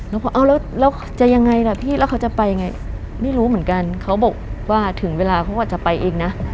แล้วบอกเอาแล้วจะยังไงล่ะพี่แล้วเขาจะไปยังไงไม่รู้เหมือนกันเขาบอกว่าถึงเวลาเขาก็จะไปเองนะ